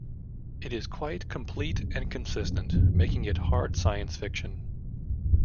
It is quite complete and consistent, making it hard science fiction.